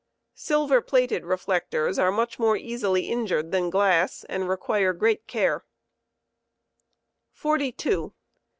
Silver plated reflectors are much more easily injured than glass, and require great care. m ' care of ohfan . fa